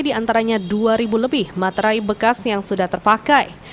di antaranya dua lebih materai bekas yang sudah terpakai